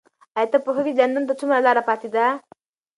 ایا ته پوهېږې چې لندن ته څومره لاره پاتې ده؟